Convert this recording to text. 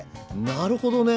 なるほどね！